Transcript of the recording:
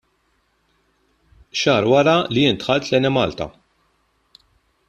Xahar wara li jien dħalt l-Enemalta.